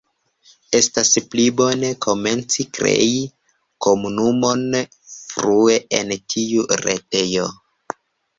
Estas pli bone komenci krei komunumon frue en tiu retejo.